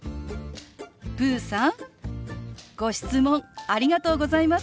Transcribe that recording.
ぷうさんご質問ありがとうございます！